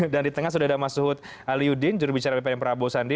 dan di tengah sudah ada mas suhud aliuddin jurubicara bpm prabowo sandi